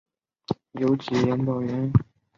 有子杨葆元。